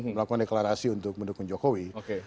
melakukan deklarasi untuk mendukung jokowi